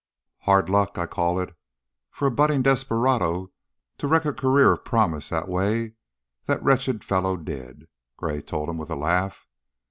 "Hard luck, I call it, for a budding desperado to wreck a career of promise the way that wretched fellow did," Gray told him with a laugh.